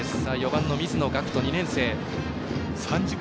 ４番の水野岳斗、２年生。